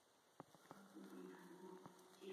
经体表寄生虫在人群中传播。